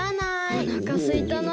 おなかすいたな。